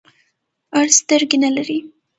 اړ سترګي نلری .